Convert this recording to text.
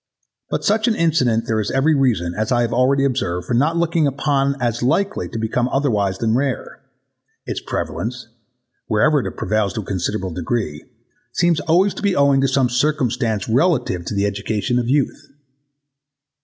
But such an incident there is every reason, as I have already observ[ed], for not looking upon as likely to become otherwise than rare. Its prevalence, wherever it prevails to a considerable degree, seems always to be owing to some circumstance relative to the education of youth.